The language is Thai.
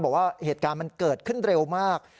บอกว่าเหตุการณ์มันเกิดขึ้นเร็วมาก